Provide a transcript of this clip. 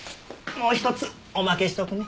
もう一つおまけしとくね。